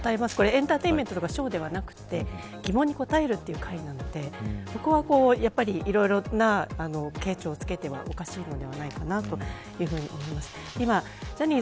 エンターテインメントとかショーではなくて疑問に答えるという会なのでここはやっぱりいろいろの軽重をつけてはおかしいのではないかと思います。